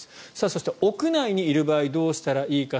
そして、屋内にいる場合どうしたらいいか。